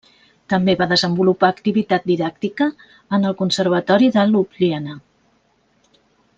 També va desenvolupar activitat didàctica en el Conservatori de Ljubljana.